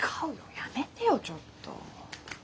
やめてよちょっと！